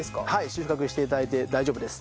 収穫して頂いて大丈夫です。